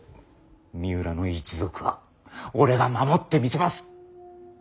三浦の一族は俺が守ってみせます。